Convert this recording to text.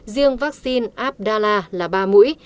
riêng vắc xin abdala là ba mũi